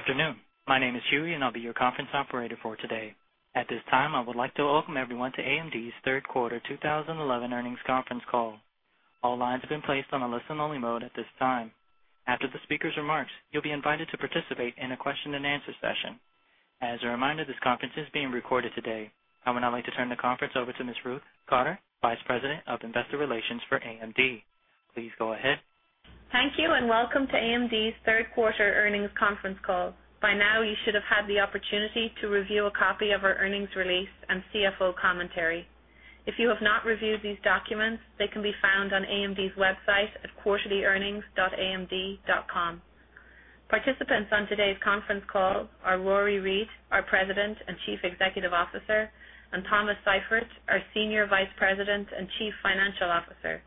Afternoon. My name is Huey, and I'll be your conference operator for today. At this time, I would like to welcome everyone to AMD's Third Quarter 2011 Earnings Conference Call. All lines have been placed on a listen-only mode at this time. After the speaker's remarks, you'll be invited to participate in a question-and-answer session. As a reminder, this conference is being recorded today. I would now like to turn the conference over to Ms. Ruth Cotter, Vice President of Investor Relations for AMD. Please go ahead. Thank you, and welcome to AMD's Third Quarter Earnings Conference Call. By now, you should have had the opportunity to review a copy of our earnings release and CFO commentary. If you have not reviewed these documents, they can be found on AMD's website at quarterlyearnings.amd.com. Participants on today's conference call are Rory Read, our President and Chief Executive Officer, and Thomas Seifert, our Senior Vice President and Chief Financial Officer.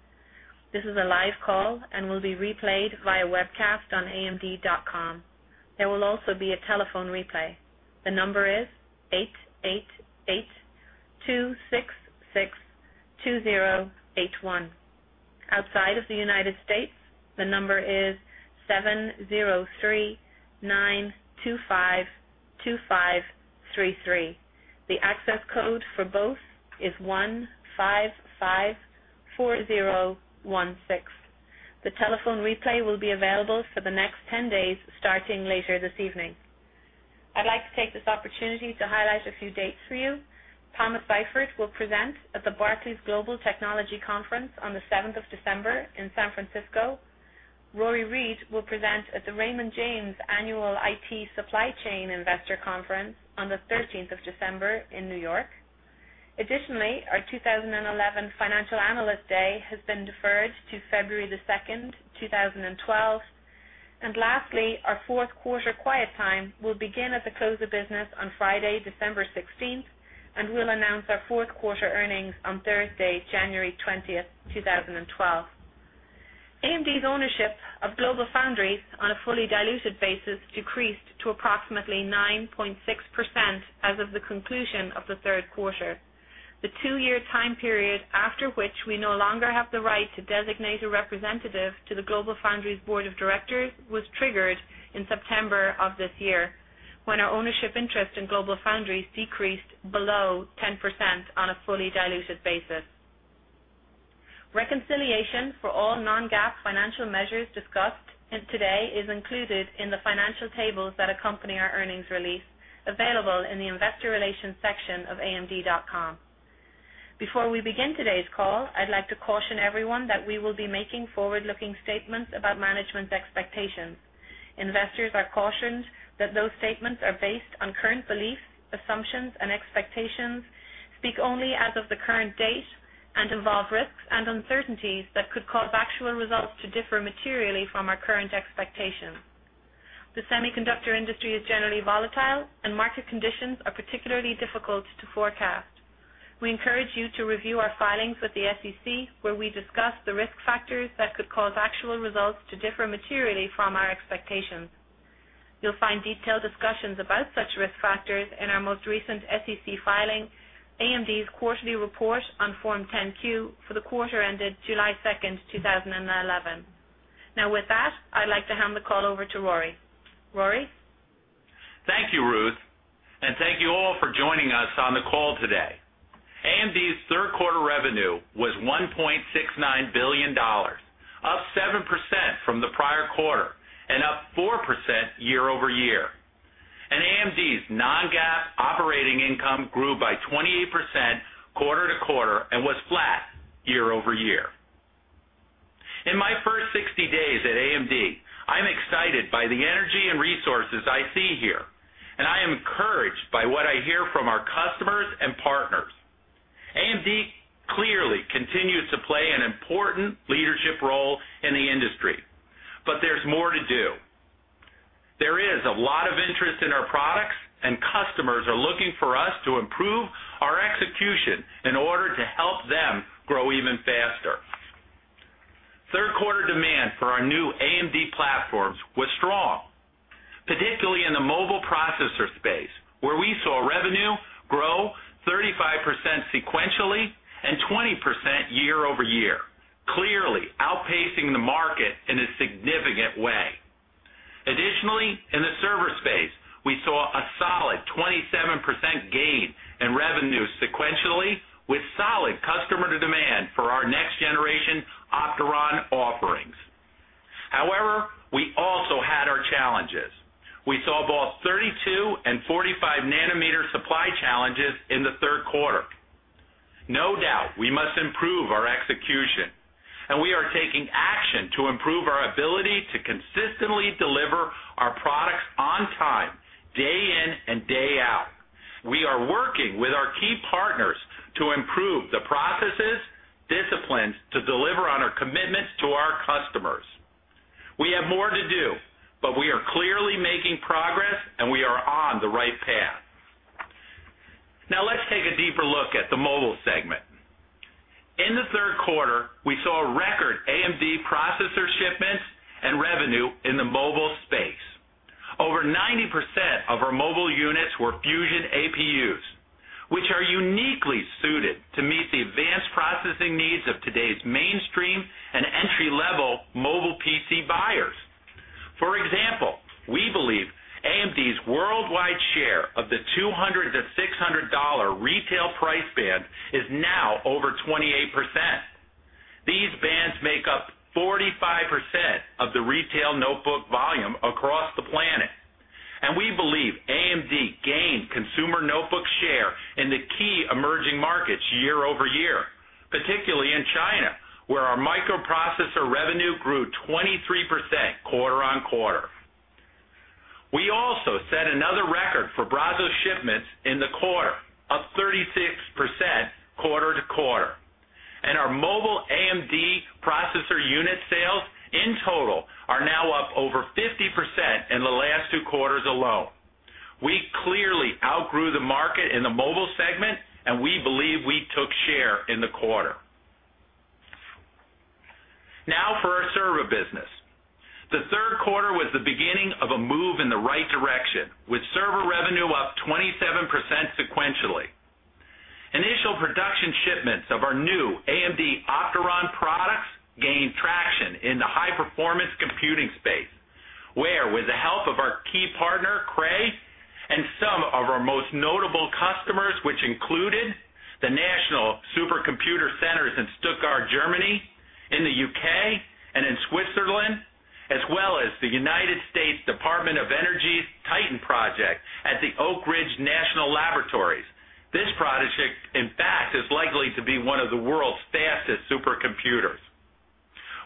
This is a live call and will be replayed via webcast on amd.com. There will also be a telephone replay. The number is 888-266-2081. Outside of the United States, the number is 703-925-2533. The access code for both is 1554016. The telephone replay will be available for the next 10 days, starting later this evening. I'd like to take this opportunity to highlight a few dates for you. Thomas Seifert will present at the Barclays Global Technology Conference on the 7th of December in San Francisco. Rory Read will present at the Raymond James Annual IT Supply Chain Investor Conference on the 13th of December in New York. Additionally, our 2011 Financial Analyst Day has been deferred to February 2, 2012. Lastly, our fourth quarter quiet time will begin at the close of business on Friday, December 16, and we'll announce our fourth quarter earnings on Thursday, January 20, 2012. AMD's ownership of GlobalFoundries on a fully diluted basis decreased to approximately 9.6% as of the conclusion of the third quarter. The two-year time period after which we no longer have the right to designate a representative to the GlobalFoundries Board of Directors was triggered in September of this year, when our ownership interest in GlobalFoundries decreased below 10% on a fully diluted basis. Reconciliation for all non-GAAP financial measures discussed today is included in the financial tables that accompany our earnings release, available in the Investor Relations section of amd.com. Before we begin today's call, I'd like to caution everyone that we will be making forward-looking statements about management's expectations. Investors are cautioned that those statements are based on current beliefs, assumptions, and expectations, speak only as of the current date, and involve risks and uncertainties that could cause actual results to differ materially from our current expectations. The semiconductor industry is generally volatile, and market conditions are particularly difficult to forecast. We encourage you to review our filings with the SEC, where we discuss the risk factors that could cause actual results to differ materially from our expectations. You'll find detailed discussions about such risk factors in our most recent SEC filing, AMD's quarterly report on Form 10-Q for the quarter ended July 2, 2011. Now, with that, I'd like to hand the call over to Rory. Rory? Thank you, Ruth, and thank you all for joining us on the call today. AMD's third quarter revenue was $1.69 billion, up 7% from the prior quarter and up 4% year-over-year. AMD's non-GAAP operating income grew by 28% quarter to quarter and was flat year-over-year. In my first 60 days at AMD, I'm excited by the energy and resources I see here, and I am encouraged by what I hear from our customers and partners. AMD clearly continues to play an important leadership role in the industry, but there's more to do. There is a lot of interest in our products, and customers are looking for us to improve our execution in order to help them grow even faster. Third quarter demand for our new AMD platforms was strong, particularly in the mobile processor space, where we saw revenue grow 35% sequentially and 20% year-over-year, clearly outpacing the market in a significant way. Additionally, in the server space, we saw a solid 27% gain in revenue sequentially, with solid customer demand for our next-generation Opteron offerings. However, we also had our challenges. We saw both 32nm and 45nm supply challenges in the third quarter. No doubt, we must improve our execution, and we are taking action to improve our ability to consistently deliver our products on time, day in and day out. We are working with our key partners to improve the processes and disciplines to deliver on our commitments to our customers. We have more to do, but we are clearly making progress, and we are on the right path. Now, let's take a deeper look at the mobile segment. In the third quarter, we saw record AMD processor shipments and revenue in the mobile space. Over 90% of our mobile units were Fusion APUs, which are uniquely suited to meet the advanced processing needs of today's mainstream and entry-level mobile PC buyers. For example, we believe AMD's worldwide share of the $200-$600 retail price band is now over 28%. These bands make up 45% of the retail notebook volume across the planet. We believe AMD gained consumer notebook share in the key emerging markets year-over-year, particularly in China, where our microprocessor revenue grew 23% quarter on quarter. We also set another record for Brazos shipments in the quarter, up 36% quarter to quarter. Our mobile AMD processor unit sales in total are now up over 50% in the last two quarters alone. We clearly outgrew the market in the mobile segment, and we believe we took share in the quarter. Now, for our server business, the third quarter was the beginning of a move in the right direction, with server revenue up 27% sequentially. Initial production shipments of our new AMD Opteron products gained traction in the high-performance computing space, where, with the help of our key partner Cray and some of our most notable customers, which included the National Supercomputer Centers in Stuttgart, Germany, in the U.K., and in Switzerland, as well as the United States Department of Energy's Titan project at the Oak Ridge National Laboratory, this project, in fact, is likely to be one of the world's fastest supercomputers.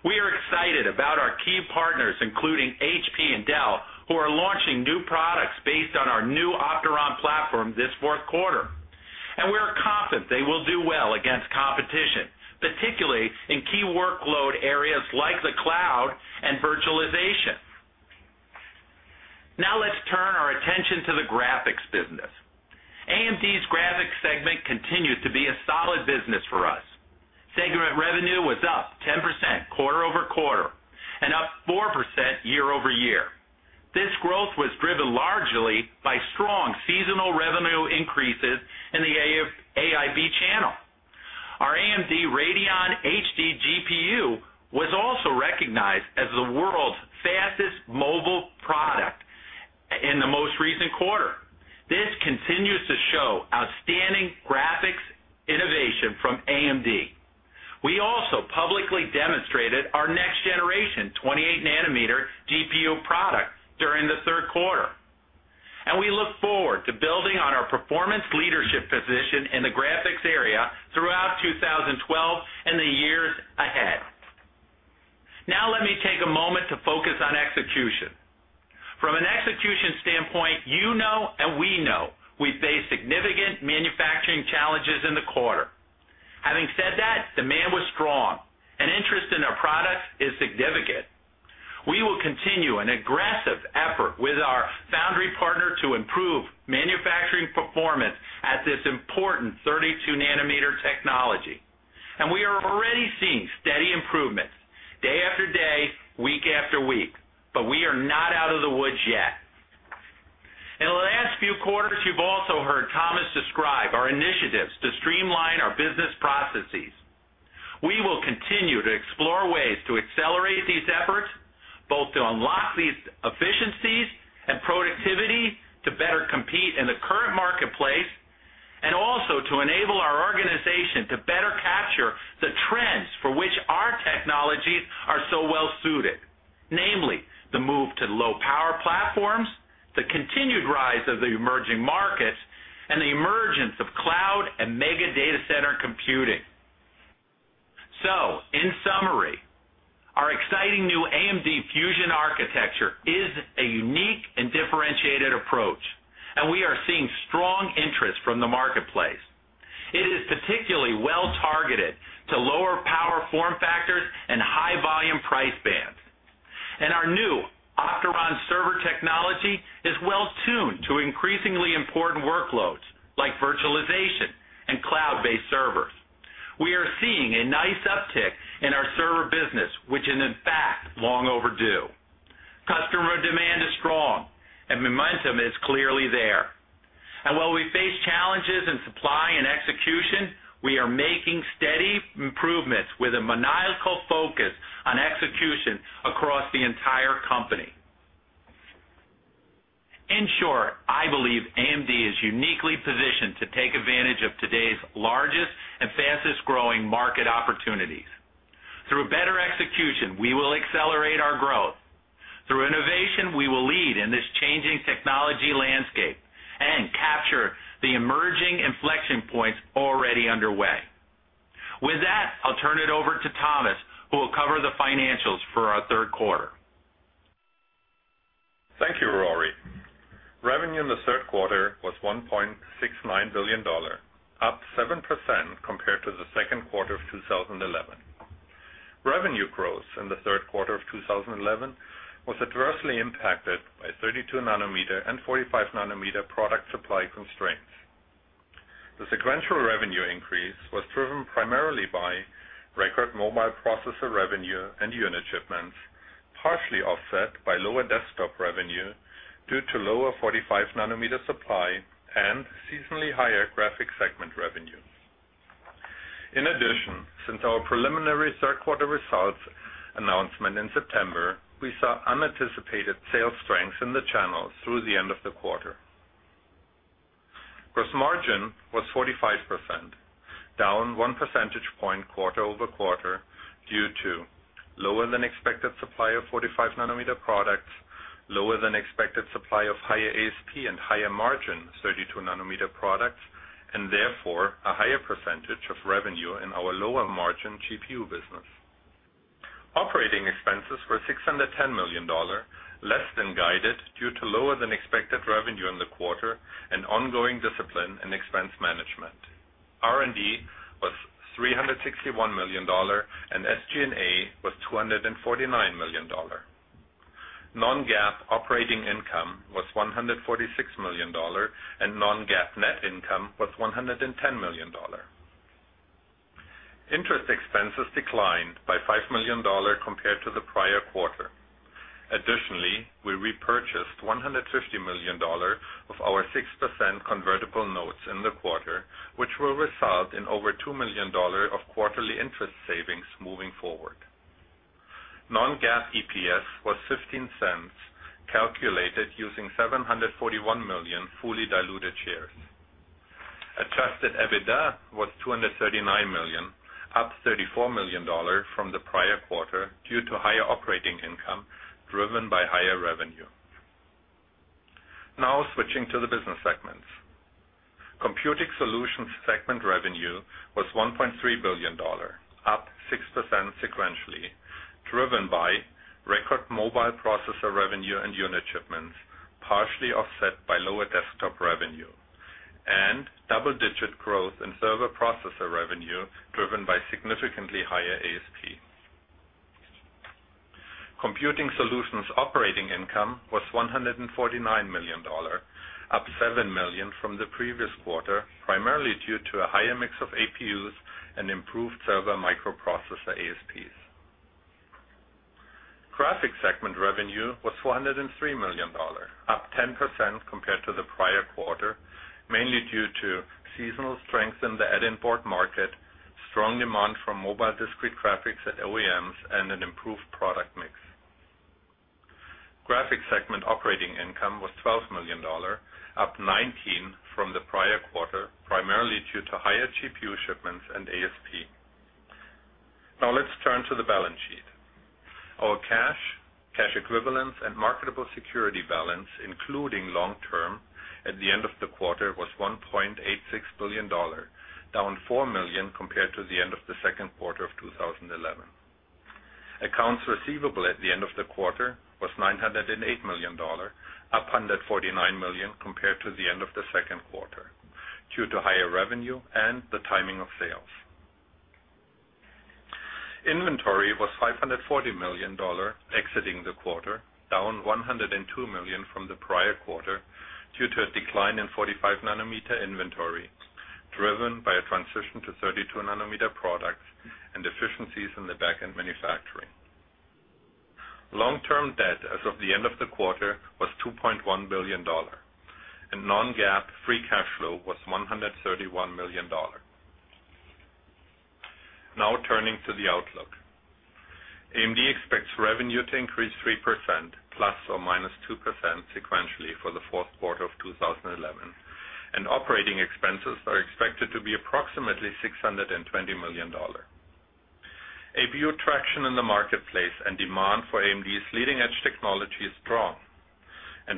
We are excited about our key partners, including HP and Dell, who are launching new products based on our new Opteron platform this fourth quarter. We are confident they will do well against competition, particularly in key workload areas like the cloud and virtualization. Now, let's turn our attention to the graphics business. AMD's graphics segment continued to be a solid business for us. Segment revenue was up 10% quarter-over-quarter and up 4% year-over-year. This growth was driven largely by strong seasonal revenue increases in the AIB channel. Our AMD Radeon HD GPU was also recognized as the world's fastest mobile product in the most recent quarter. This continues to show outstanding graphics innovation from AMD. We also publicly demonstrated our next-generation 28nm GPU product during the third quarter. We look forward to building on our performance leadership position in the graphics area throughout 2012 and the years ahead. Now, let me take a moment to focus on execution. From an execution standpoint, you know and we know we face significant manufacturing challenges in the quarter. Having said that, demand was strong, and interest in our products is significant. We will continue an aggressive effort with our foundry partner to improve manufacturing performance at this important 32nm technology. We are already seeing steady improvements, day after day, week after week, but we are not out of the woods yet. In the last few quarters, you've also heard Thomas describe our initiatives to streamline our business processes. We will continue to explore ways to accelerate these efforts, both to unlock the efficiencies and productivity to better compete in the current marketplace, and also to enable our organization to better capture the trends for which our technologies are so well suited, namely the move to low-power platforms, the continued rise of the emerging markets, and the emergence of cloud and mega data center computing. In summary, our exciting new AMD Fusion architecture is a unique and differentiated approach, and we are seeing strong interest from the marketplace. It is particularly well-targeted to lower power form factors and high-volume price bands. Our new Opteron server technology is well-tuned to increasingly important workloads like virtualization and cloud-based servers. We are seeing a nice uptick in our server business, which is, in fact, long overdue. Customer demand is strong, and momentum is clearly there. While we face challenges in supply and execution, we are making steady improvements with a maniacal focus on execution across the entire company. In short, I believe AMD is uniquely positioned to take advantage of today's largest and fastest growing market opportunities. Through better execution, we will accelerate our growth. Through innovation, we will lead in this changing technology landscape and capture the emerging inflection points already underway. With that, I'll turn it over to Thomas, who will cover the financials for our third quarter. Thank you, Rory. Revenue in the third quarter was $1.69 billion, up 7% compared to the second quarter of 2011. Revenue growth in the third quarter of 2011 was adversely impacted by 32nm and 45nm product supply constraints. The sequential revenue increase was driven primarily by record mobile processor revenue and unit shipments, partially offset by lower desktop revenue due to lower 45nm supply and seasonally higher graphics segment revenue. In addition, since our preliminary third quarter results announcement in September, we saw unanticipated sales strength in the channels through the end of the quarter. Gross margin was 45%, down 1 percentage point quarter-over-quarter due to lower than expected supply of 45nm products, lower than expected supply of higher ASP and higher margin 32nm products, and therefore a higher percentage of revenue in our lower margin GPU business. Operating expenses were $610 million, less than guided due to lower than expected revenue in the quarter and ongoing discipline and expense management. R&D was $361 million, and SG&A was $249 million. Non-GAAP operating income was $146 million, and non-GAAP net income was $110 million. Interest expenses declined by $5 million compared to the prior quarter. Additionally, we repurchased $150 million of our 6% convertible notes in the quarter, which will result in over $2 million of quarterly interest savings moving forward. Non-GAAP EPS was $0.15, calculated using 741 million fully diluted shares. Adjusted EBITDA was $239 million, up $34 million from the prior quarter due to higher operating income driven by higher revenue. Now, switching to the business segments. Computing Solutions segment revenue was $1.3 billion, up 6% sequentially, driven by record mobile processor revenue and unit shipments, partially offset by lower desktop revenue, and double-digit growth in server processor revenue driven by significantly higher ASP. Computing Solutions operating income was $149 million, up $7 million from the previous quarter, primarily due to a higher mix of APUs and improved server microprocessor ASPs. Graphics segment revenue was $403 million, up 10% compared to the prior quarter, mainly due to seasonal strength in the add-in board market, strong demand from mobile discrete graphics at OEMs, and an improved product mix. Graphics segment operating income was $12 million, up $19 million from the prior quarter, primarily due to higher GPU shipments and ASP. Now, let's turn to the balance sheet. Our cash, cash equivalents, and marketable security balance, including long-term, at the end of the quarter was $1.86 billion, down $4 million compared to the end of the second quarter of 2011. Accounts receivable at the end of the quarter was $908 million, up $149 million compared to the end of the second quarter, due to higher revenue and the timing of sales. Inventory was $540 million exiting the quarter, down $102 million from the prior quarter, due to a decline in 45nm inventory, driven by a transition to 32nm products and efficiencies in the backend manufacturing. Long-term debt as of the end of the quarter was $2.1 billion, and non-GAAP free cash flow was $131 million. Now, turning to the outlook. AMD expects revenue to increase 3%, ±2% sequentially for the fourth quarter of 2011, and operating expenses are expected to be approximately $620 million. APU traction in the marketplace and demand for AMD's leading-edge technology is strong.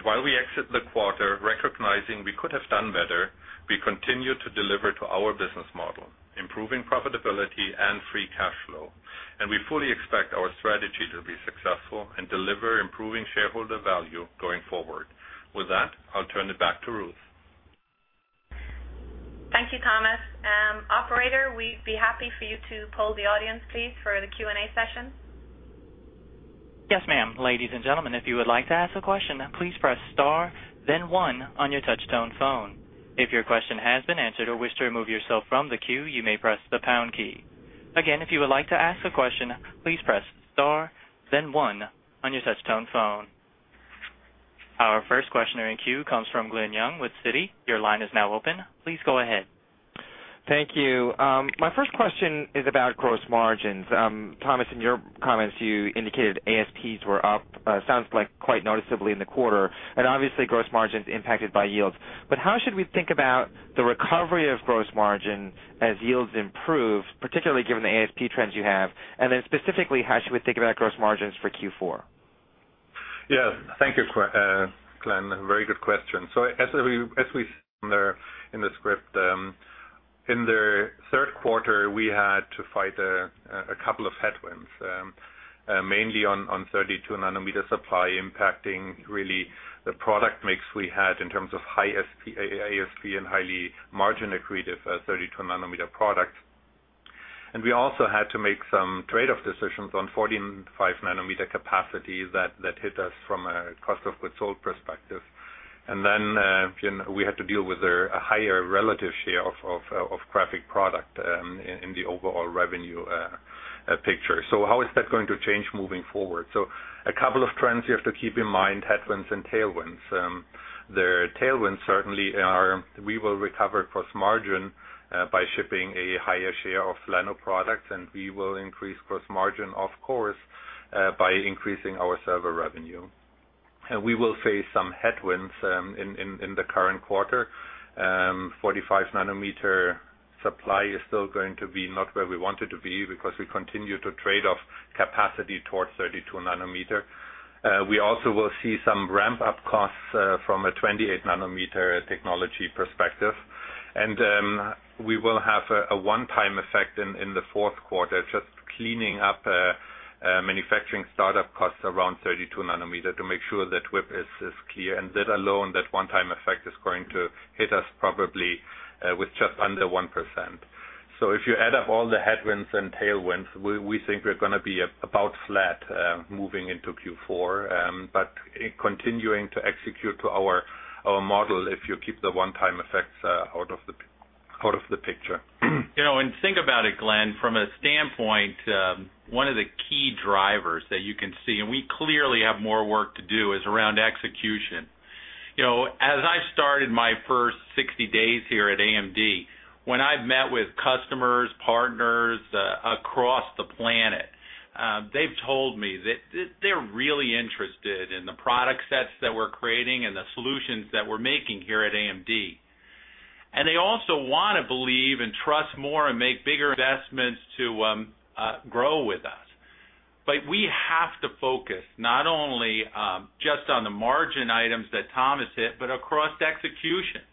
While we exit the quarter recognizing we could have done better, we continue to deliver to our business model, improving profitability and free cash flow, and we fully expect our strategy to be successful and deliver improving shareholder value going forward. With that, I'll turn it back to Ruth. Thank you, Thomas. Operator, we'd be happy for you to poll the audience, please, for the Q&A session. Yes, ma'am. Ladies and gentlemen, if you would like to ask a question, please press star, then one on your touch-tone phone. If your question has been answered or wish to remove yourself from the queue, you may press the pound key. Again, if you would like to ask a question, please press star, then one on your touch-tone phone. Our first questioner in queue comes from Glen Yeung with Citi. Your line is now open. Please go ahead. Thank you. My first question is about gross margins. Thomas, in your comments, you indicated ASPs were up, sounds like quite noticeably in the quarter, and obviously gross margins impacted by yields. How should we think about the recovery of gross margin as yields improve, particularly given the ASP trends you have? Specifically, how should we think about gross margins for Q4? Yeah, thank you, Glen. Very good question. As we said in the script, in the third quarter, we had to fight a couple of headwinds, mainly on 32nm supply, impacting really the product mix we had in terms of high ASP and highly margin accretive 32nm products. We also had to make some trade-off decisions on 45nm capacity that hit us from a cost of goods sold perspective. We had to deal with a higher relative share of graphic product in the overall revenue picture. How is that going to change moving forward? A couple of trends you have to keep in mind: headwinds and tailwinds. The tailwinds certainly are we will recover gross margin by shipping a higher share of Llano products, and we will increase gross margin, of course, by increasing our server revenue. We will face some headwinds in the current quarter. 45nm supply is still going to be not where we want it to be because we continue to trade off capacity towards 32nm. We also will see some ramp-up costs from a 28nm technology perspective. We will have a one-time effect in the fourth quarter, just cleaning up manufacturing startup costs around 32nm to make sure that WIP is clear. That one-time effect is going to hit us probably with just under 1%. If you add up all the headwinds and tailwinds, we think we're going to be about flat moving into Q4, but continuing to execute our model if you keep the one-time effects out of the picture. You know, and think about it, Glen, from a standpoint, one of the key drivers that you can see, and we clearly have more work to do, is around execution. As I've started my first 60 days here at AMD, when I've met with customers, partners across the planet, they've told me that they're really interested in the product sets that we're creating and the solutions that we're making here at AMD. They also want to believe and trust more and make bigger investments to grow with us. We have to focus not only just on the margin items that Thomas hit, but across execution.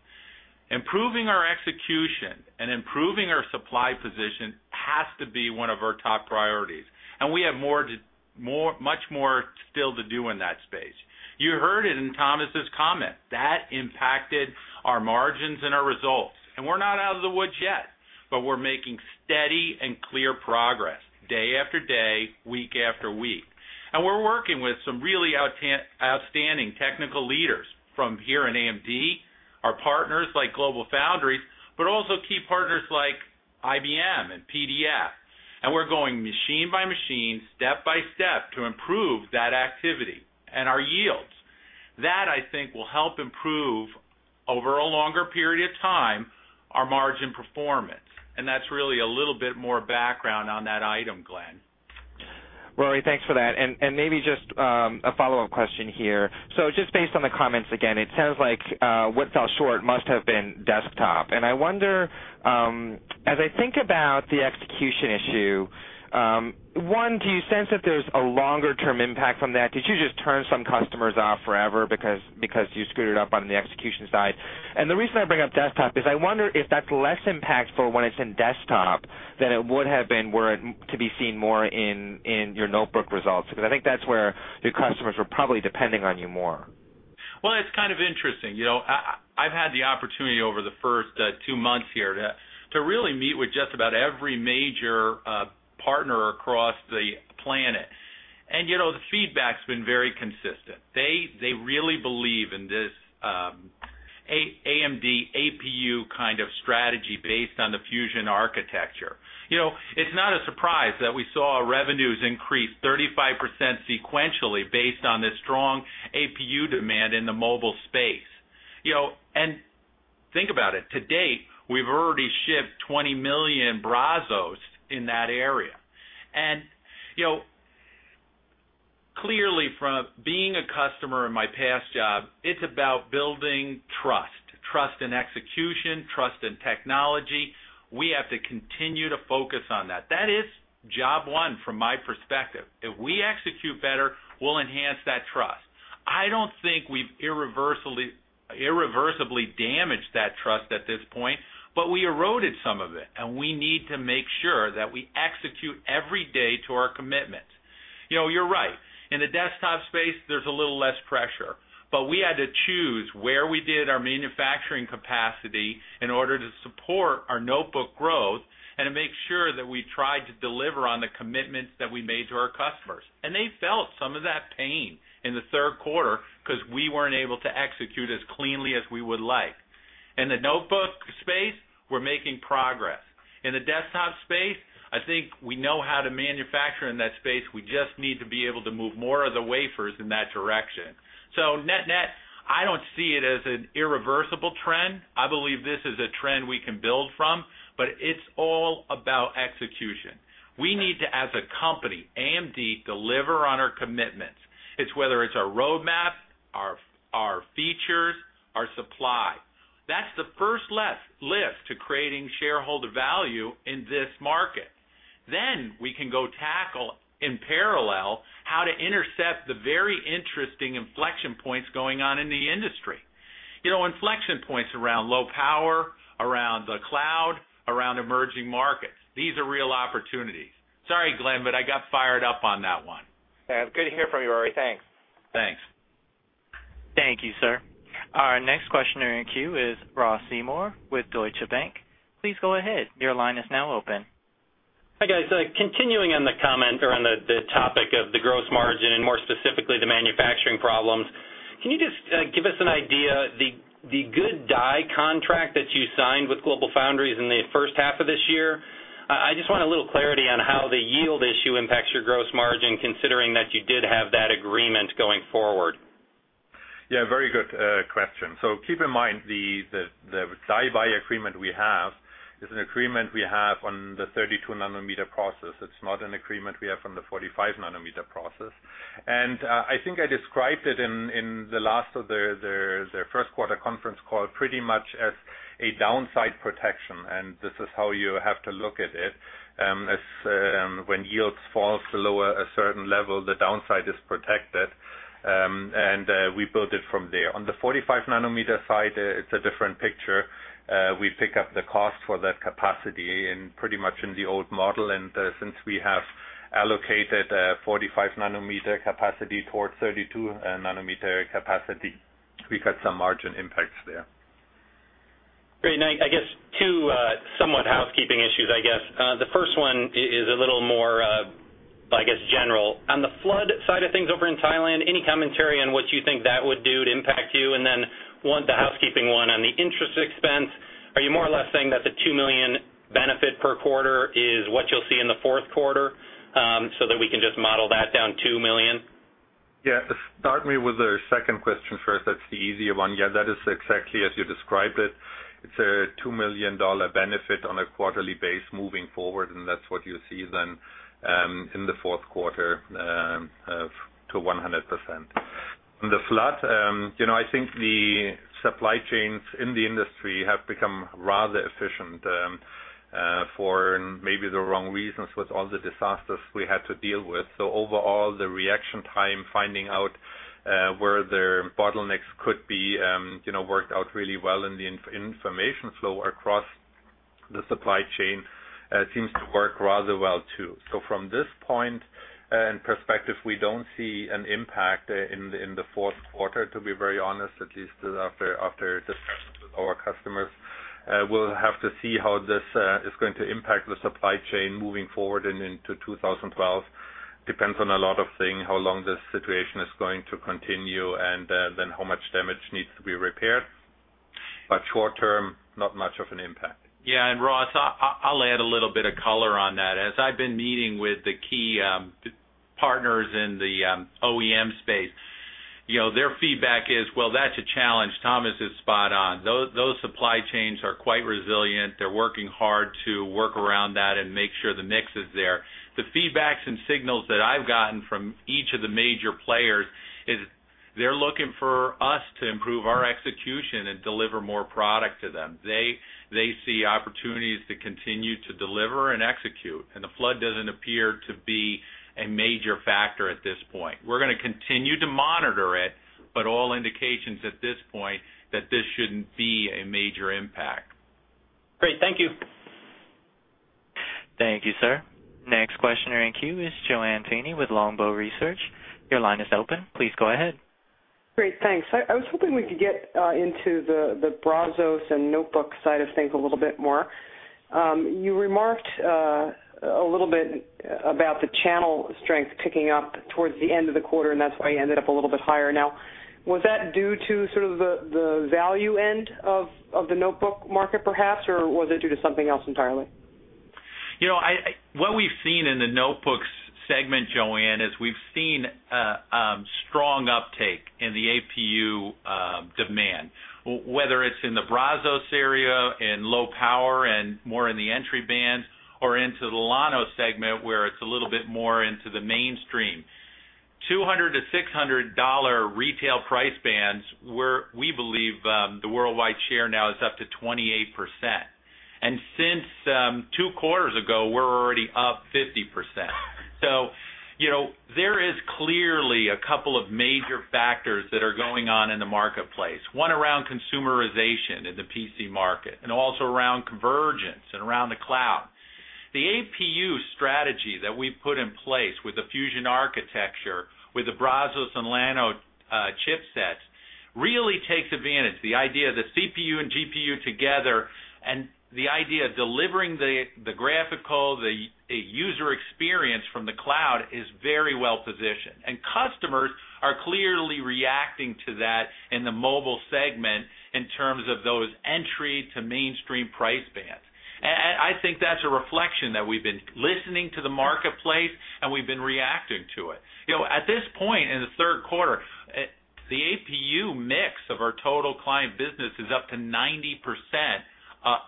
Improving our execution and improving our supply position has to be one of our top priorities. We have much more still to do in that space. You heard it in Thomas's comment. That impacted our margins and our results. We're not out of the woods yet, but we're making steady and clear progress day after day, week after week. We're working with some really outstanding technical leaders from here in AMD, our partners like GlobalFoundries, but also key partners like IBM and PDF. We're going machine by machine, step by step to improve that activity and our yields. That, I think, will help improve over a longer period of time our margin performance. That's really a little bit more background on that item, Glen. Rory, thanks for that. Maybe just a follow-up question here. Based on the comments again, it sounds like what fell short must have been desktop. I wonder, as I think about the execution issue, one, do you sense that there's a longer-term impact from that? Did you just turn some customers off forever because you screwed it up on the execution side? The reason I bring up desktop is I wonder if that's less impactful when it's in desktop than it would have been were it to be seen more in your notebook results, because I think that's where your customers were probably depending on you more. It's kind of interesting. You know, I've had the opportunity over the first two months here to really meet with just about every major partner across the planet. The feedback's been very consistent. They really believe in this AMD APU kind of strategy based on the Fusion architecture. It's not a surprise that we saw revenues increase 35% sequentially based on this strong APU demand in the mobile space. Think about it. To date, we've already shipped 20 million Brazos in that area. Clearly, from being a customer in my past job, it's about building trust, trust in execution, trust in technology. We have to continue to focus on that. That is job one from my perspective. If we execute better, we'll enhance that trust. I don't think we've irreversibly damaged that trust at this point, but we eroded some of it. We need to make sure that we execute every day to our commitments. You're right. In the desktop space, there's a little less pressure. We had to choose where we did our manufacturing capacity in order to support our notebook growth and to make sure that we tried to deliver on the commitments that we made to our customers. They felt some of that pain in the third quarter because we weren't able to execute as cleanly as we would like. In the notebook space, we're making progress. In the desktop space, I think we know how to manufacture in that space. We just need to be able to move more of the wafers in that direction. Net-net, I don't see it as an irreversible trend. I believe this is a trend we can build from, but it's all about execution. We need to, as a company, AMD, deliver on our commitments. It's whether it's our roadmap, our features, our supply. That's the first lift to creating shareholder value in this market. We can go tackle in parallel how to intercept the very interesting inflection points going on in the industry. Inflection points around low power, around the cloud, around emerging markets. These are real opportunities. Sorry, Glen, but I got fired up on that one. Good to hear from you, Rory. Thanks. Thanks. Thank you, sir. Our next questioner in queue is Ross Seymore with Deutsche Bank. Please go ahead. Your line is now open. Hi, guys. Continuing on the comment or on the topic of the gross margin and more specifically the manufacturing problems, can you just give us an idea of the good die contract that you signed with GlobalFoundries in the first half of this year? I just want a little clarity on how the yield issue impacts your gross margin, considering that you did have that agreement going forward. Yeah, very good question. Keep in mind the die-by agreement we have is an agreement we have on the 32nm process. It's not an agreement we have on the 45nm process. I think I described it in the last of their first quarter conference call pretty much as a downside protection. This is how you have to look at it. When yields fall below a certain level, the downside is protected. We built it from there. On the 45nm side, it's a different picture. We pick up the cost for that capacity pretty much in the old model. Since we have allocated 45nm capacity towards 32nm capacity, we've had some margin impacts there. Great. I guess two somewhat housekeeping issues. The first one is a little more general. On the flood side of things over in Thailand, any commentary on what you think that would do to impact you? The housekeeping one on the interest expense, are you more or less saying that the $2 million benefit per quarter is what you'll see in the fourth quarter so that we can just model that down $2 million? Yeah, start me with the second question first. That's the easier one. Yeah, that is exactly as you described it. It's a $2 million benefit on a quarterly base moving forward. That's what you see then in the fourth quarter to 100%. On the flood, I think the supply chains in the industry have become rather efficient for maybe the wrong reasons with all the disasters we had to deal with. Overall, the reaction time, finding out where the bottlenecks could be, worked out really well, and the information flow across the supply chain seems to work rather well too. From this point and perspective, we don't see an impact in the fourth quarter, to be very honest, at least after discussions with our customers. We'll have to see how this is going to impact the supply chain moving forward and into 2012. It depends on a lot of things, how long this situation is going to continue and how much damage needs to be repaired. Short-term, not much of an impact. Yeah, and Ross, I'll add a little bit of color on that. As I've been meeting with the key partners in the OEM space, their feedback is, that's a challenge. Thomas is spot on. Those supply chains are quite resilient. They're working hard to work around that and make sure the mix is there. The feedback and signals that I've gotten from each of the major players is they're looking for us to improve our execution and deliver more product to them. They see opportunities to continue to deliver and execute. The flood doesn't appear to be a major factor at this point. We're going to continue to monitor it, but all indications at this point are that this shouldn't be a major impact. Great. Thank you. Thank you, sir. Next questioner in queue is JoAnne Feeney with Longbow Research. Your line is open. Please go ahead. Great, thanks. I was hoping we could get into the Brazos and notebook side of things a little bit more. You remarked a little bit about the channel strength picking up towards the end of the quarter, and that's why you ended up a little bit higher now. Was that due to sort of the value end of the notebook market, perhaps, or was it due to something else entirely? You know, what we've seen in the notebooks segment, JoAnne, is we've seen strong uptake in the APU demand, whether it's in the Brazos area in low power and more in the entry bands or into the Llano segment where it's a little bit more into the mainstream. $200-$600 retail price bands where we believe the worldwide share now is up to 28%. Since two quarters ago, we're already up 50%. There are clearly a couple of major factors that are going on in the marketplace, one around consumerization in the PC market and also around convergence and around the cloud. The APU strategy that we've put in place with the Fusion architecture, with the Brazos and Llano chipsets, really takes advantage. The idea of the CPU and GPU together and the idea of delivering the graphical user experience from the cloud is very well-positioned. Customers are clearly reacting to that in the mobile segment in terms of those entry to mainstream price bands. I think that's a reflection that we've been listening to the marketplace, and we've been reacting to it. At this point in the third quarter, the APU mix of our total client business is up to 90%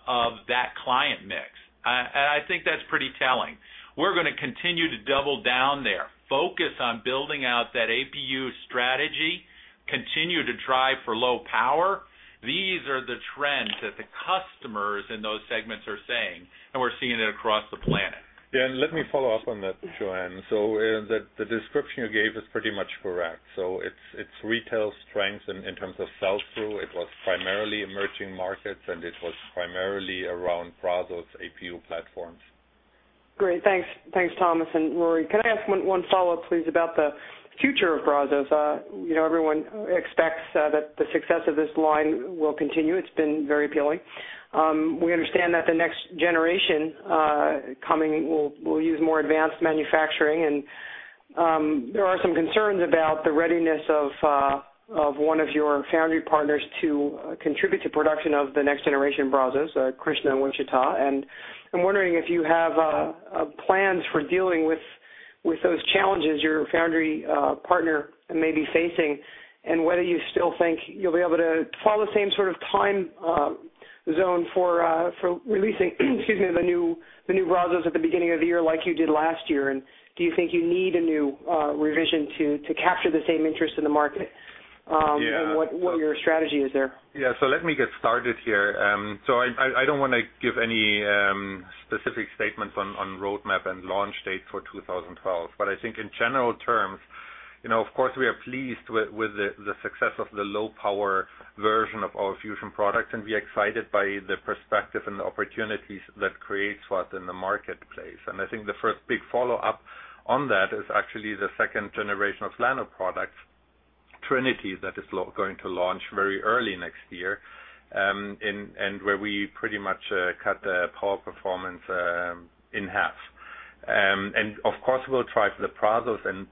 of that client mix. I think that's pretty telling. We're going to continue to double down there, focus on building out that APU strategy, continue to drive for low power. These are the trends that the customers in those segments are saying, and we're seeing it across the planet. Yeah, let me follow up on that, JoAnne. The description you gave is pretty much correct. It's retail strength in terms of sell-through. It was primarily emerging markets, and it was primarily around Brazos APU platforms. Great, thanks. Thanks, Thomas. Rory, could I ask one follow-up, please, about the future of Brazos? You know, everyone expects that the success of this line will continue. It's been very appealing. We understand that the next generation coming will use more advanced manufacturing, and there are some concerns about the readiness of one of your foundry partners to contribute to production of the next-generation Brazos, Krishna and Wichita. I'm wondering if you have plans for dealing with those challenges your foundry partner may be facing and whether you still think you'll be able to follow the same sort of time zone for releasing, excuse me, the new Brazos at the beginning of the year like you did last year. Do you think you need a new revision to capture the same interest in the market? Yeah. What your strategy is there? Yeah, let me get started here. I don't want to give any specific statements on roadmap and launch dates for 2012. I think in general terms, of course, we are pleased with the success of the low-power version of our Fusion products, and we are excited by the perspective and the opportunities that creates in the marketplace. I think the first big follow-up on that is actually the second generation of Llano products, Trinity, that is going to launch very early next year and where we pretty much cut the power performance in half. Of course, we'll drive the Brazos and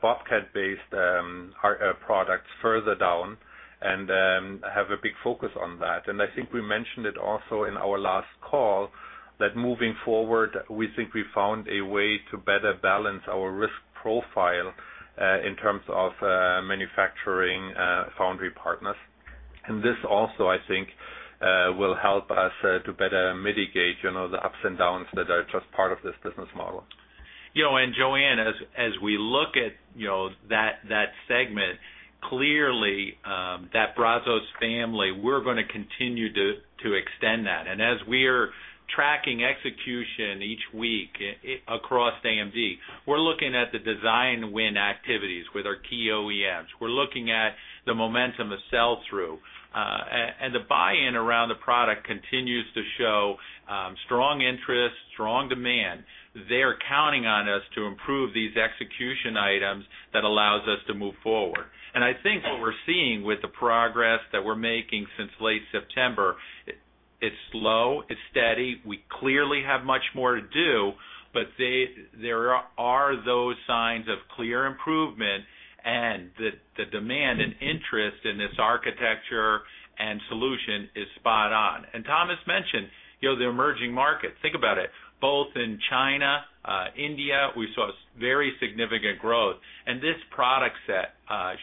Bobcat-based products further down and have a big focus on that. I think we mentioned it also in our last call that moving forward, we think we found a way to better balance our risk profile in terms of manufacturing foundry partners. This also, I think, will help us to better mitigate the ups and downs that are just part of this business model. You know, and JoAnne, as we look at that segment, clearly that Brazos family, we're going to continue to extend that. As we are tracking execution each week across AMD, we're looking at the design win activities with our key OEMs. We're looking at the momentum of sell-through, and the buy-in around the product continues to show strong interest, strong demand. They're counting on us to improve these execution items that allow us to move forward. I think what we're seeing with the progress that we're making since late September, it's slow, it's steady. We clearly have much more to do, but there are those signs of clear improvement, and the demand and interest in this architecture and solution is spot on. Thomas mentioned the emerging markets. Think about it. Both in China, India, we saw very significant growth. This product set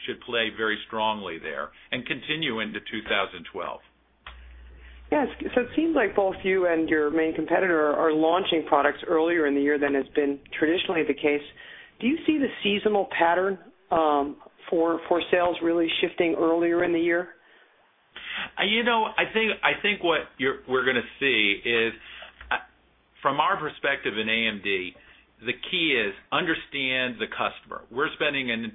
should play very strongly there and continue into 2012. Yes, it seems like both you and your main competitor are launching products earlier in the year than has been traditionally the case. Do you see the seasonal pattern for sales really shifting earlier in the year? You know, I think what we're going to see is, from our perspective in AMD, the key is understand the customer. We're spending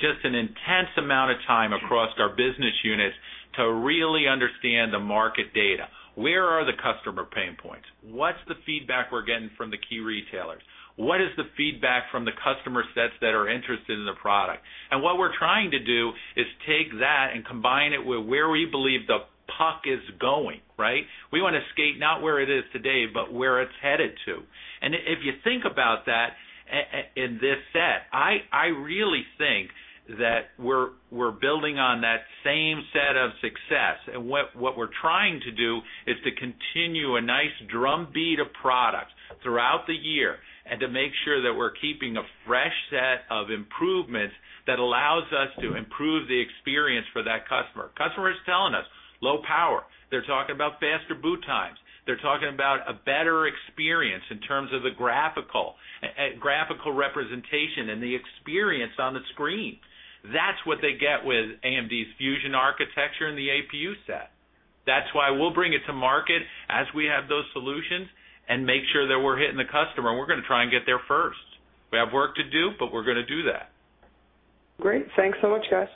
just an intense amount of time across our business units to really understand the market data. Where are the customer pain points? What's the feedback we're getting from the key retailers? What is the feedback from the customer sets that are interested in the product? What we're trying to do is take that and combine it with where we believe the puck is going, right? We want to skate not where it is today, but where it's headed to. If you think about that in this set, I really think that we're building on that same set of success. What we're trying to do is to continue a nice drumbeat of products throughout the year and to make sure that we're keeping a fresh set of improvements that allow us to improve the experience for that customer. Customers are telling us low power. They're talking about faster boot times. They're talking about a better experience in terms of the graphical representation and the experience on the screen. That's what they get with AMD's Fusion architecture and the APU set. That's why we'll bring it to market as we have those solutions and make sure that we're hitting the customer. We're going to try and get there first. We have work to do, but we're going to do that. Great. Thanks so much, guys.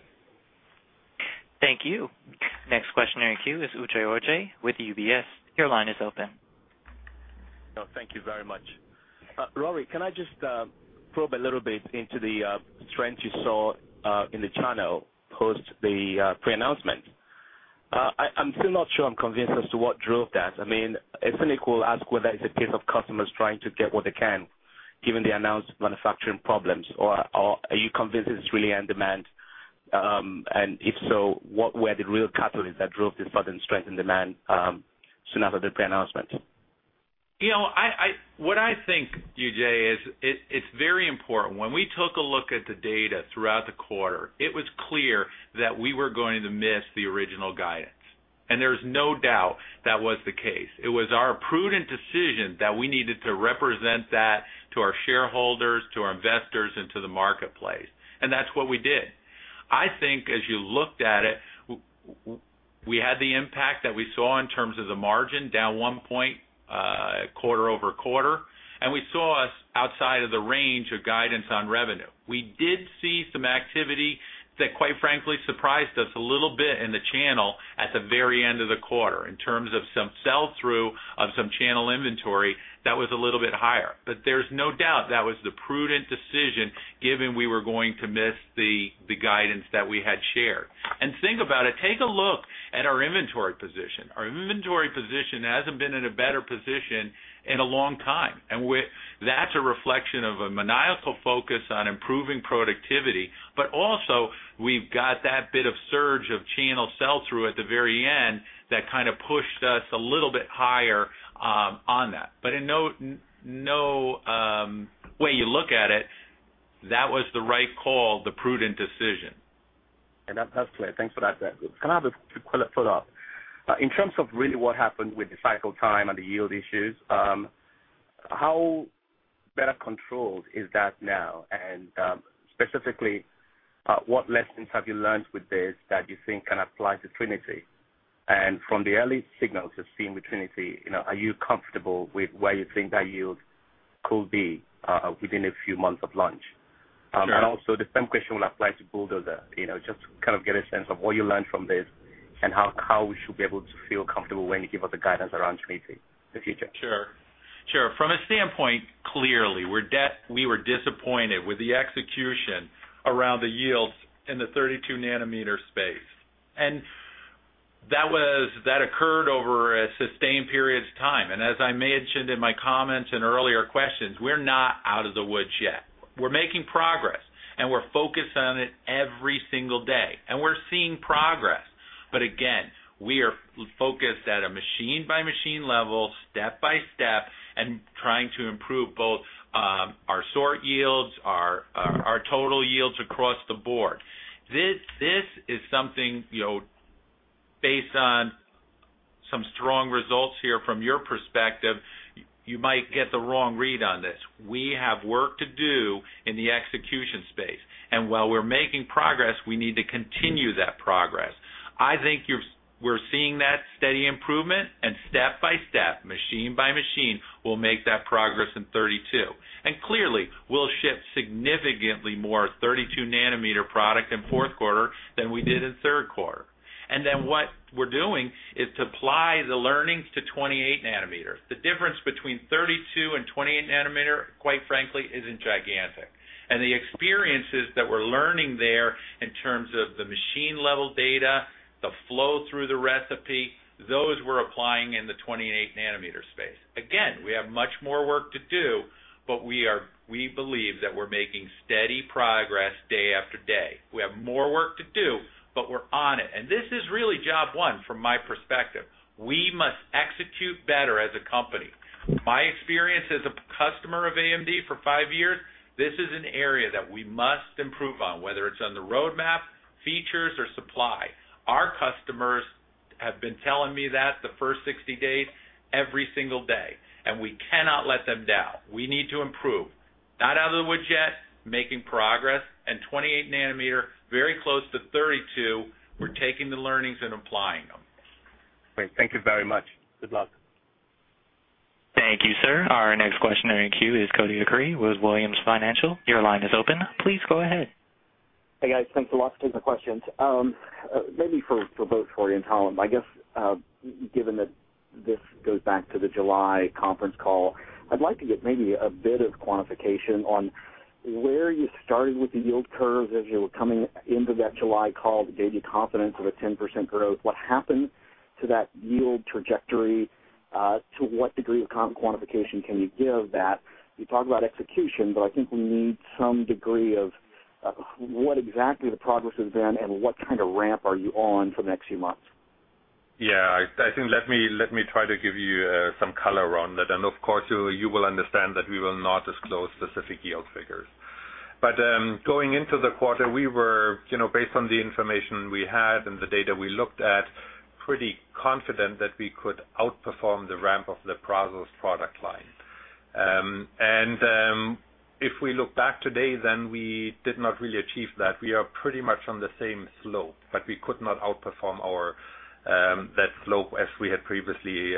Thank you. Next questioner in queue is Uche Orji with UBS. Your line is open. Thank you very much. Rory, can I just probe a little bit into the trends you saw in the channel post the pre-announcement? I'm still not sure I'm convinced as to what drove that. I mean, it's unequal to ask whether it's a case of customers trying to get what they can, given the announced manufacturing problems, or are you convinced it's really on demand? If so, what were the real catalysts that drove this sudden strength in demand soon after the pre-announcement? You know, what I think, Uche, is it's very important. When we took a look at the data throughout the quarter, it was clear that we were going to miss the original guidance. There's no doubt that was the case. It was our prudent decision that we needed to represent that to our shareholders, to our investors, and to the marketplace. That's what we did. I think as you looked at it, we had the impact that we saw in terms of the margin down 1 point quarter-over-quarter. We saw us outside of the range of guidance on revenue. We did see some activity that, quite frankly, surprised us a little bit in the channel at the very end of the quarter in terms of some sell-through of some channel inventory that was a little bit higher. There's no doubt that was the prudent decision given we were going to miss the guidance that we had shared. Think about it. Take a look at our inventory position. Our inventory position hasn't been in a better position in a long time. That's a reflection of a maniacal focus on improving productivity. Also, we've got that bit of surge of channel sell-through at the very end that kind of pushed us a little bit higher on that. In no way you look at it, that was the right call, the prudent decision. That's great. Thanks for that. Can I have a quick follow-up? In terms of really what happened with the cycle time and the yield issues, how better controlled is that now? Specifically, what lessons have you learned with this that you think can apply to Trinity? From the early signals we've seen with Trinity, are you comfortable with where you think that yield could be within a few months of launch? The same question will apply to Bulldozer. Just kind of get a sense of what you learned from this and how we should be able to feel comfortable when you give us the guidance around Trinity in the future. Sure. From a standpoint, clearly, we were disappointed with the execution around the yields in the 32nm space. That occurred over a sustained period of time. As I mentioned in my comments and earlier questions, we're not out of the woods yet. We're making progress, and we're focused on it every single day. We're seeing progress. We are focused at a machine-by-machine level, step-by-step, and trying to improve both our sort yields and our total yields across the board. This is something, you know, based on some strong results here from your perspective, you might get the wrong read on this. We have work to do in the execution space. While we're making progress, we need to continue that progress. I think we're seeing that steady improvement, and step-by-step, machine-by-machine, we'll make that progress in 32nm. Clearly, we'll ship significantly more 32nm product in the fourth quarter than we did in the third quarter. What we're doing is to apply the learnings to 28nm. The difference between 32nm and 28nm, quite frankly, isn't gigantic. The experiences that we're learning there in terms of the machine-level data, the flow through the recipe, those we're applying in the 28nm space. We have much more work to do, but we believe that we're making steady progress day after day. We have more work to do, but we're on it. This is really job one from my perspective. We must execute better as a company. My experience as a customer of AMD for five years, this is an area that we must improve on, whether it's on the roadmap, features, or supply. Our customers have been telling me that the first 60 days, every single day, and we cannot let them down. We need to improve. Not out of the woods yet, making progress, and 28nm, very close to 32nm, we're taking the learnings and applying them. Thank you very much. Good luck. Thank you, sir. Our next questioner in queue is Cody Acree with Williams Financial. Your line is open. Please go ahead. Hey, guys. Thanks a lot for taking the questions. Maybe for both Rory and Tom, I guess given that this goes back to the July conference call, I'd like to get maybe a bit of quantification on where you started with the yield curves as you were coming into that July call that gave you confidence of a 10% growth. What happened to that yield trajectory? To what degree of quantification can you give that? You talk about execution, but I think we need some degree of what exactly the progress has been and what kind of ramp are you on for the next few months? Yeah, I think let me try to give you some color around that. Of course, you will understand that we will not disclose specific yield figures. Going into the quarter, we were, you know, based on the information we had and the data we looked at, pretty confident that we could outperform the ramp of the Brazos product line. If we look back today, then we did not really achieve that. We are pretty much on the same slope, but we could not outperform that slope as we had previously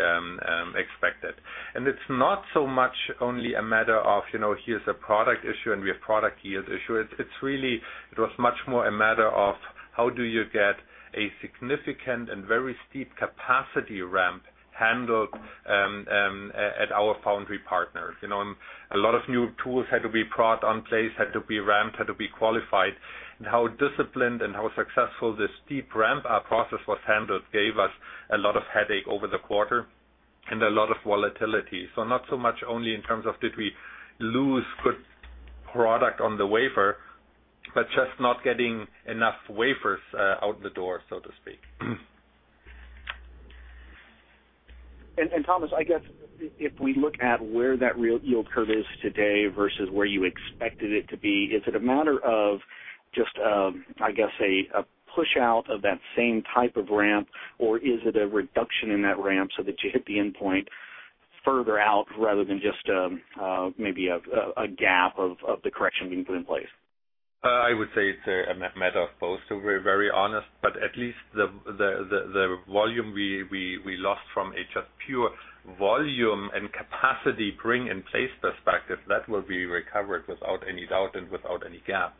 expected. It's not so much only a matter of, you know, here's a product issue and we have a product yield issue. It was much more a matter of how do you get a significant and very steep capacity ramp handled at our foundry partner. A lot of new tools had to be brought on place, had to be ramped, had to be qualified. How disciplined and how successful this steep ramp process was handled gave us a lot of headache over the quarter and a lot of volatility. Not so much only in terms of did we lose good product on the wafer, but just not getting enough wafers out the door, so to speak. Thomas, if we look at where that real yield curve is today versus where you expected it to be, is it a matter of just a push-out of that same type of ramp, or is it a reduction in that ramp so that you hit the endpoint further out rather than just maybe a gap of the correction being put in place? I would say it's a matter of both, to be very honest. At least the volume we lost from a just pure volume and capacity bring-in-place perspective, that will be recovered without any doubt and without any gap.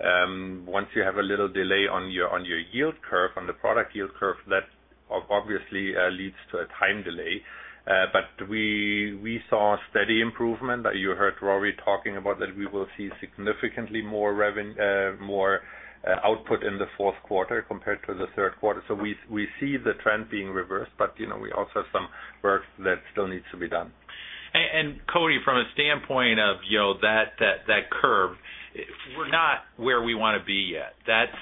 Once you have a little delay on your yield curve, on the product yield curve, that obviously leads to a time delay. We saw steady improvement. You heard Rory talking about that we will see significantly more output in the fourth quarter compared to the third quarter. We see the trend being reversed, but you know, we also have some work that still needs to be done. Cody, from a standpoint of, you know, that curve, we're not where we want to be yet. That's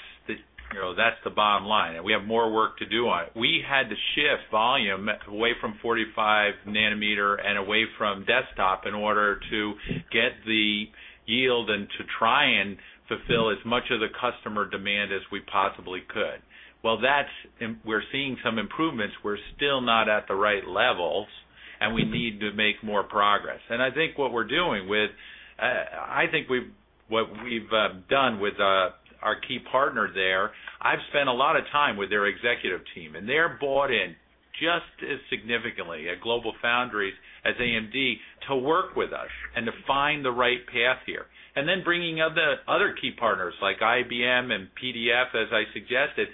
the bottom line. We have more work to do on it. We had to shift volume away from 45nm and away from desktop in order to get the yield and to try and fulfill as much of the customer demand as we possibly could. We're seeing some improvements. We're still not at the right levels, and we need to make more progress. I think what we've done with our key partner there, I've spent a lot of time with their executive team, and they're bought in just as significantly at GlobalFoundries as AMD to work with us and to find the right path here. Bringing other key partners like IBM and PDF, as I suggested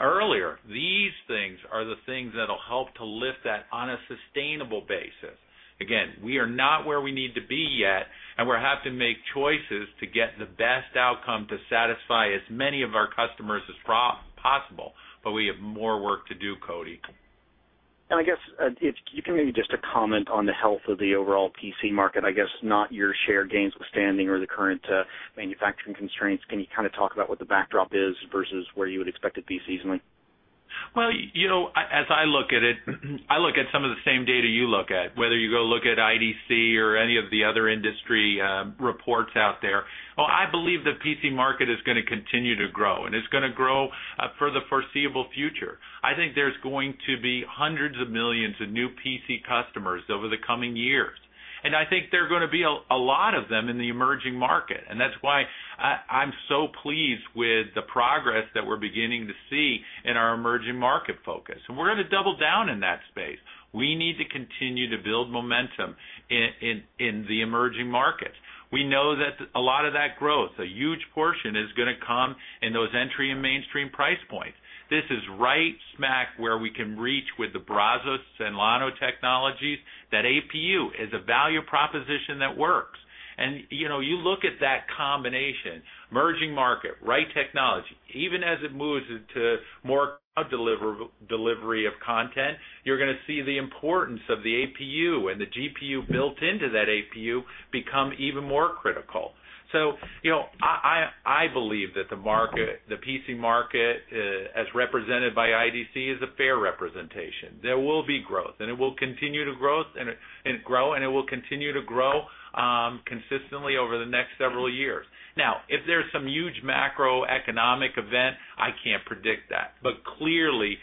earlier, these things are the things that'll help to lift that on a sustainable basis. Again, we are not where we need to be yet, and we'll have to make choices to get the best outcome to satisfy as many of our customers as possible. We have more work to do, Cody. Could you maybe just comment on the health of the overall PC market? I guess not your share gains withstanding or the current manufacturing constraints. Can you kind of talk about what the backdrop is versus where you would expect it to be seasonally? As I look at it, I look at some of the same data you look at, whether you go look at IDC or any of the other industry reports out there. I believe the PC market is going to continue to grow, and it's going to grow for the foreseeable future. I think there's going to be hundreds of millions of new PC customers over the coming years. I think there are going to be a lot of them in the emerging market. That's why I'm so pleased with the progress that we're beginning to see in our emerging market focus. We're going to double down in that space. We need to continue to build momentum in the emerging markets. We know that a lot of that growth, a huge portion, is going to come in those entry and mainstream price points. This is right smack where we can reach with the Brazos and Llano technologies, that APU is a value proposition that works. You look at that combination, emerging market, right technology, even as it moves into more cloud delivery of content, you're going to see the importance of the APU and the GPU built into that APU become even more critical. I believe that the market, the PC market, as represented by IDC, is a fair representation. There will be growth, and it will continue to grow, and it will continue to grow consistently over the next several years. If there's some huge macroeconomic event, I can't predict that. Clearly,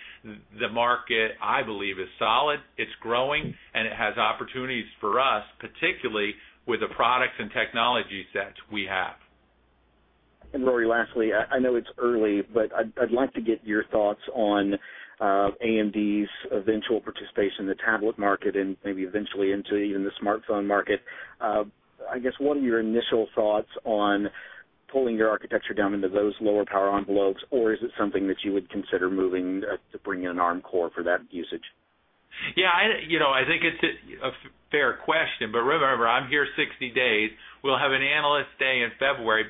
the market, I believe, is solid. It's growing, and it has opportunities for us, particularly with the products and technologies that we have. Rory, lastly, I know it's early, but I'd like to get your thoughts on AMD's eventual participation in the tablet market and maybe eventually into even the smartphone market. I guess, what are your initial thoughts on pulling your architecture down into those lower power envelopes, or is it something that you would consider moving to bring an encore for that usage? Yeah, you know, I think it's a fair question. Remember, I'm here 60 days. We'll have an Analyst Day in February.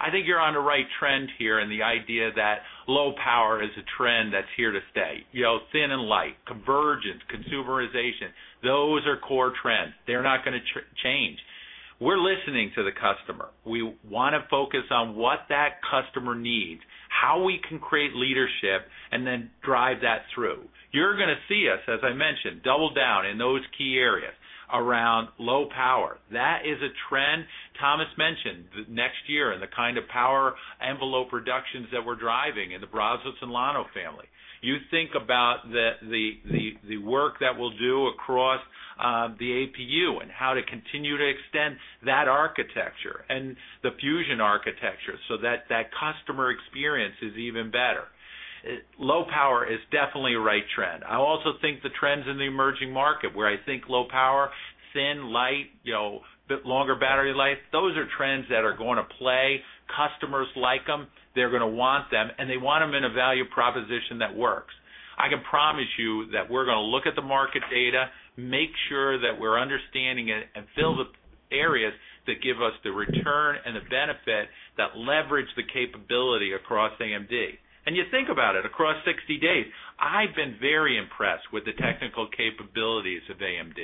I think you're on the right trend here in the idea that low power is a trend that's here to stay. You know, thin and light, convergence, consumerization, those are core trends. They're not going to change. We're listening to the customer. We want to focus on what that customer needs, how we can create leadership, and then drive that through. You're going to see us, as I mentioned, double down in those key areas around low power. That is a trend. Thomas mentioned the next year and the kind of power envelope reductions that we're driving in the Brazos and Llano family. You think about the work that we'll do across the APU and how to continue to extend that architecture and the Fusion architecture so that that customer experience is even better. Low power is definitely a right trend. I also think the trends in the emerging market where I think low power, thin, light, longer battery life, those are trends that are going to play. Customers like them. They're going to want them, and they want them in a value proposition that works. I can promise you that we're going to look at the market data, make sure that we're understanding it, and fill the areas that give us the return and the benefit that leverage the capability across AMD. You think about it across 60 days. I've been very impressed with the technical capabilities of AMD.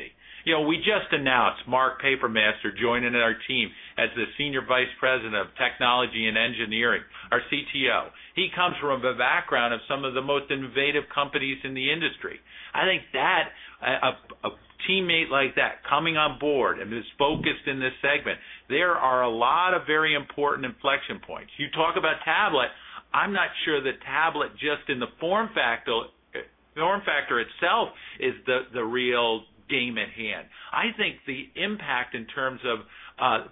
We just announced Mark Papermaster joining our team as the Senior Vice President of Technology and Engineering, our CTO. He comes from a background of some of the most innovative companies in the industry. I think that a teammate like that coming on board and is focused in this segment, there are a lot of very important inflection points. You talk about tablet. I'm not sure the tablet just in the form factor itself is the real game at hand. I think the impact in terms of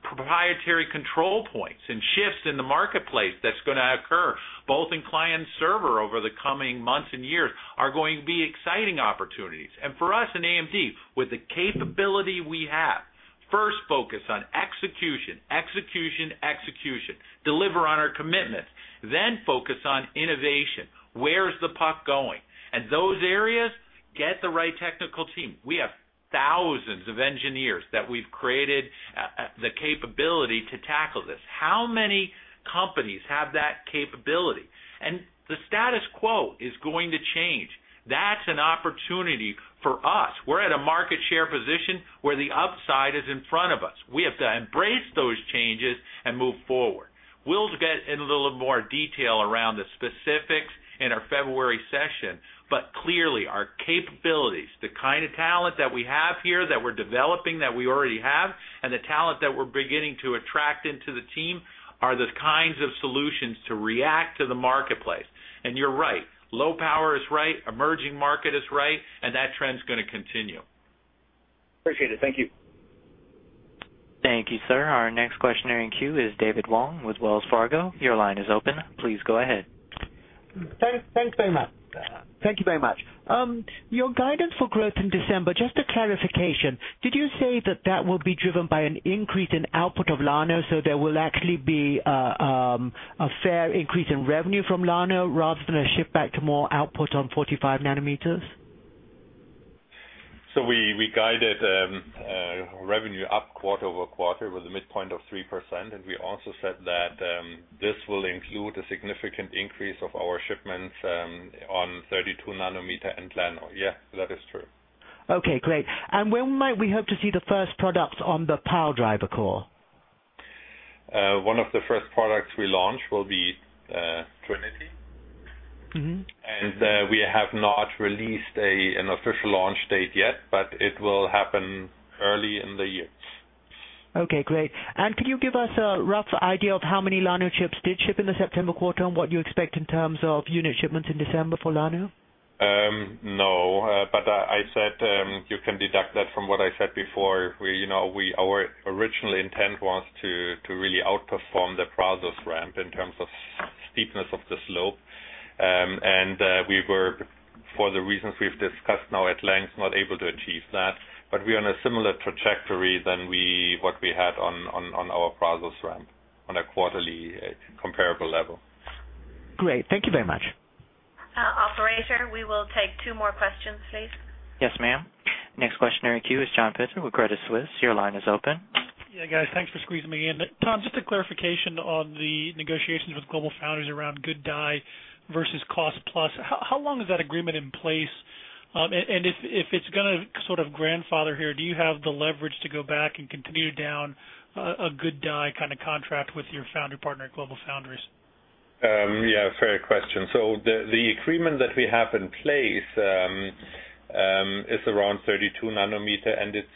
proprietary control points and shifts in the marketplace that's going to occur both in client and server over the coming months and years are going to be exciting opportunities. For us in AMD, with the capability we have, first focus on execution, execution, execution, deliver on our commitments, then focus on innovation. Where's the puck going? In those areas, get the right technical team. We have thousands of engineers that we've created the capability to tackle this. How many companies have that capability? The status quo is going to change. That's an opportunity for us. We're at a market share position where the upside is in front of us. We have to embrace those changes and move forward. We'll get in a little more detail around the specifics in our February session. Clearly, our capabilities, the kind of talent that we have here that we're developing, that we already have, and the talent that we're beginning to attract into the team are the kinds of solutions to react to the marketplace. You're right. Low power is right. Emerging market is right. That trend is going to continue. Appreciate it. Thank you. Thank you, sir. Our next questioner in queue is David Wong with Wells Fargo. Your line is open. Please go ahead. Thanks very much. Thank you very much. Your guidance for growth in December, just a clarification. Did you say that that will be driven by an increase in output of Llano so there will actually be a fair increase in revenue from Llano rather than a shift back to more output on 45nm? We guided revenue up quarter-over-quarter with a midpoint of 3%. We also said that this will include a significant increase of our shipments on 32nm and Llano. Yeah, that is true. Okay, great. When might we hope to see the first products on the power driver core? One of the first products we launch will be Trinity. We have not released an official launch date yet, but it will happen early in the year. Okay, great. Could you give us a rough idea of how many Llano chips did ship in the September quarter, and what you expect in terms of unit shipments in December for Llano? No, but I said you can deduct that from what I said before. You know, our original intent was to really outperform the Brazos ramp in terms of steepness of the slope. We were, for the reasons we've discussed now at length, not able to achieve that. We're on a similar trajectory to what we had on our Brazos ramp on a quarterly comparable level. Great. Thank you very much. Operator, we will take two more questions, please. Yes, ma'am. Next questioner in queue is John Pitzer with Credit Suisse. Your line is open. Yeah, guys, thanks for squeezing me in. Tom, just a clarification on the negotiations with GlobalFoundries around good die versus cost plus. How long is that agreement in place? If it's going to sort of grandfather here, do you have the leverage to go back and continue down a good die kind of contract with your foundry partner, GlobalFoundries? Yeah, fair question. The agreement that we have in place is around 32nm, and it's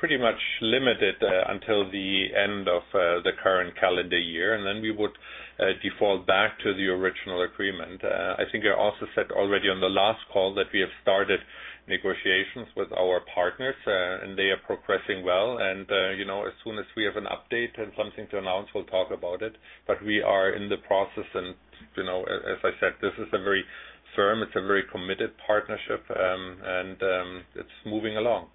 pretty much limited until the end of the current calendar year. Then we would default back to the original agreement. I think I also said already on the last call that we have started negotiations with our partners, and they are progressing well. As soon as we have an update and something to announce, we'll talk about it. We are in the process. As I said, this is a very firm, very committed partnership, and it's moving along.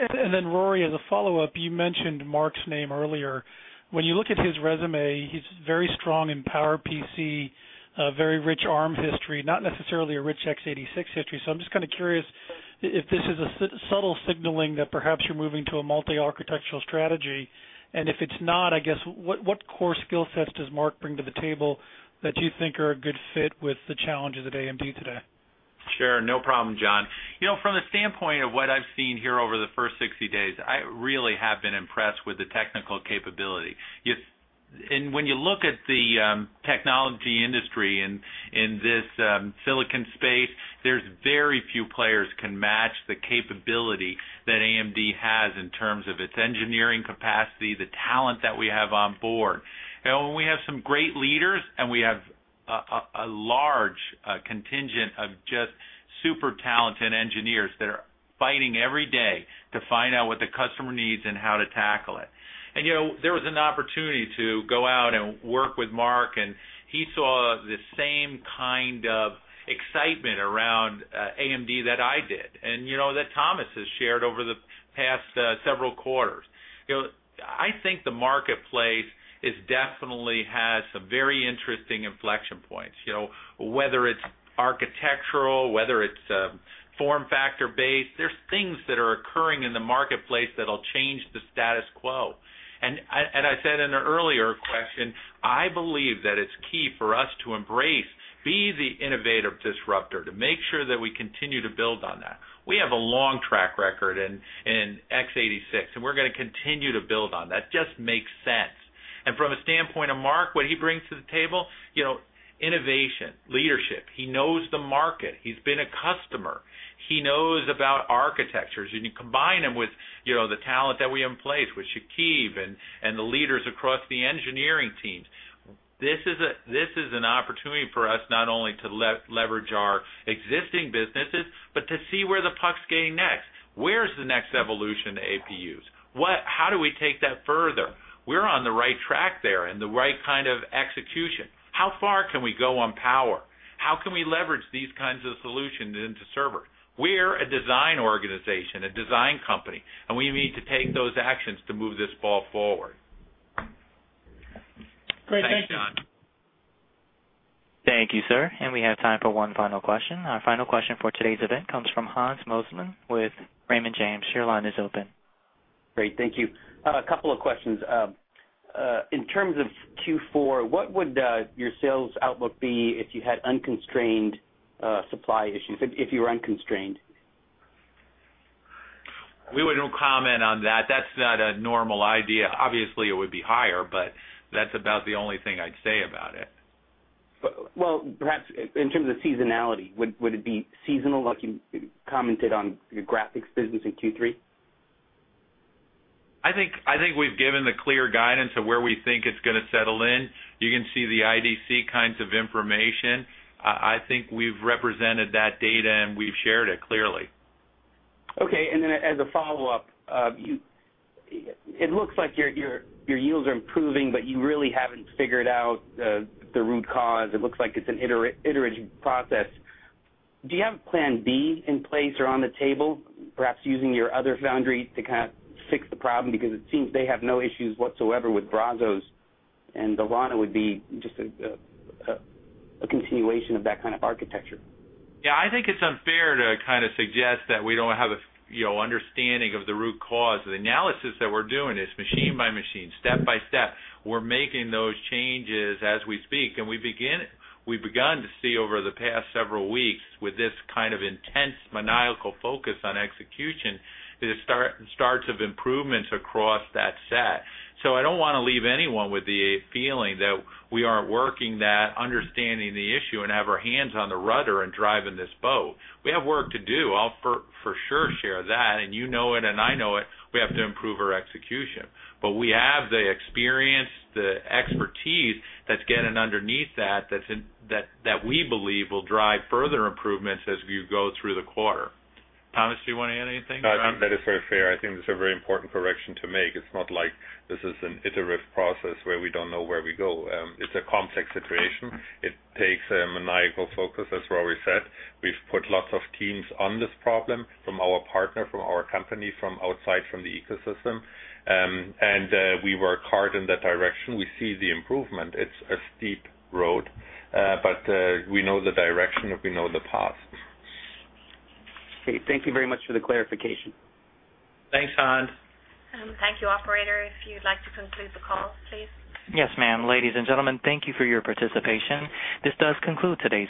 Rory, as a follow-up, you mentioned Mark's name earlier. When you look at his resume, he's very strong in PowerPC, a very rich ARM history, not necessarily a rich x86 history. I'm just kind of curious if this is a subtle signaling that perhaps you're moving to a multi-architectural strategy. If it's not, I guess what core skill sets does Mark bring to the table that you think are a good fit with the challenges at AMD today? Sure, no problem, John. From the standpoint of what I've seen here over the first 60 days, I really have been impressed with the technical capability. When you look at the technology industry in this silicon space, there are very few players that can match the capability that AMD has in terms of its engineering capacity and the talent that we have on board. We have some great leaders, and we have a large contingent of just super talented engineers that are fighting every day to find out what the customer needs and how to tackle it. There was an opportunity to go out and work with Mark, and he saw the same kind of excitement around AMD that I did and that Thomas has shared over the past several quarters. I think the marketplace has definitely had some very interesting inflection points, whether it's architectural or form factor-based. There are things that are occurring in the marketplace that will change the status quo. As I said in an earlier question, I believe that it's key for us to embrace, be the innovative disruptor, to make sure that we continue to build on that. We have a long track record in x86, and we're going to continue to build on that. It just makes sense. From the standpoint of Mark, what he brings to the table is innovation and leadership. He knows the market. He's been a customer. He knows about architectures. You combine him with the talent that we have in place with Chekib and the leaders across the engineering teams. This is an opportunity for us not only to leverage our existing businesses, but to see where the puck's getting next. Where's the next evolution to APUs? How do we take that further? We're on the right track there and the right kind of execution. How far can we go on power? How can we leverage these kinds of solutions into server? We're a design organization, a design company, and we need to take those actions to move this ball forward. Great, thanks. Thanks, John. Thank you, sir. We have time for one final question. Our final question for today's event comes from Hans Mosesmann with Raymond James. Your line is open. Great, thank you. A couple of questions. In terms of Q4, what would your sales outlook be if you had unconstrained supply issues, if you were unconstrained? We wouldn't comment on that. That's not a normal idea. Obviously, it would be higher, but that's about the only thing I'd say about it. In terms of seasonality, would it be seasonal like you commented on your graphics business in Q3? I think we've given the clear guidance of where we think it's going to settle in. You can see the IDC kinds of information. I think we've represented that data, and we've shared it clearly. Okay, and then as a follow-up, it looks like your yields are improving, but you really haven't figured out the root cause. It looks like it's an iterative process. Do you have a plan B in place or on the table, perhaps using your other foundry to kind of fix the problem? It seems they have no issues whatsoever with Brazos, and the Llano would be just a continuation of that kind of architecture. Yeah, I think it's unfair to kind of suggest that we don't have an understanding of the root cause. The analysis that we're doing is machine by machine, step by step. We're making those changes as we speak. We've begun to see over the past several weeks, with this kind of intense maniacal focus on execution, the starts of improvements across that set. I don't want to leave anyone with the feeling that we aren't working, that understanding the issue and have our hands on the rudder and driving this boat. We have work to do. I'll for sure share that. You know it and I know it. We have to improve our execution. We have the experience, the expertise that's getting underneath that, that we believe will drive further improvements as you go through the quarter. Thomas, do you want to add anything? That is very fair. I think this is a very important correction to make. It's not like this is an iterative process where we don't know where we go. It's a complex situation. It takes a maniacal focus, as Rory said. We've put lots of teams on this problem from our partner, from our company, from outside from the ecosystem. We work hard in that direction. We see the improvement. It's a steep road, but we know the direction and we know the path. Great. Thank you very much for the clarification. Thanks, Hans. Thank you, operator. If you'd like to conclude the call, please. Yes, ma'am. Ladies and gentlemen, thank you for your participation. This does conclude today's.